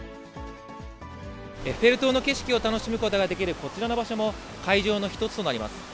エッフェル塔の景色を楽しむことができるこちらの場所も、会場の一つとなります。